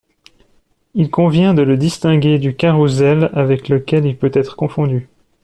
Il convient de le distinguer du carrousel avec lequel il peut être confondu.